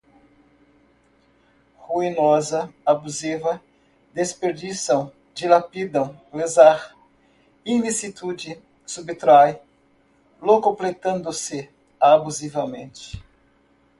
ruinosa, abusiva, desperdiçam, dilapidam, lesar, ilicitude, subtrai, locupletando-se, abusivamente